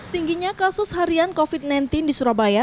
tingginya kasus harian covid sembilan belas di surabaya